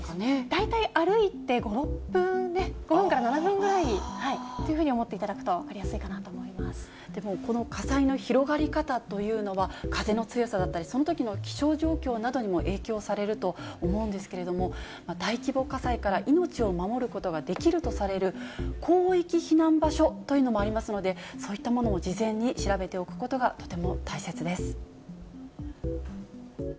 大体歩いて５、６分、５分から７分ぐらいというふうに思っていただくと分かりやすいかなと思でも、この火災の広がり方というのは、風の強さだったり、そのときの気象状況などにも影響されると思うんですけれども、大規模火災から命を守ることができるとされる広域避難場所というのもありますので、そういったものを事前に調べておくことがとて